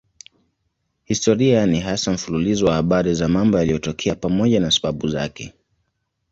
Historia ni hasa mfululizo wa habari za mambo yaliyotokea pamoja na sababu zake.